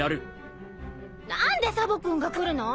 何でサボ君が来るの？